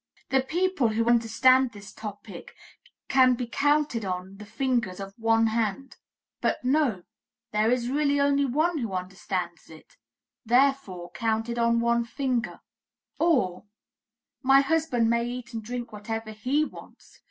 " "The people who understand this topic can be counted on the fingers of one hand, but no, there is really only one who understands it; therefore, counted on one finger." Or, "My husband may eat and drink whatever he wants.